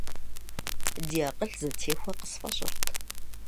Ди акъыл зэтехуэ къысфӀэщӀырт.